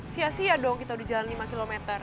sia sia dong kita udah jalan lima km